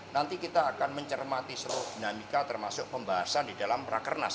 nanti kita akan mencermati seluruh dinamika termasuk pembahasan di dalam rakernas